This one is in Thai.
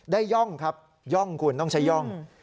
ย่องครับย่องคุณต้องใช้ย่อง